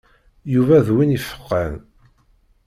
Yuba d win ifeqqɛen.